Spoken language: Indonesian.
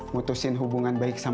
mutusin hubungan baik saatnya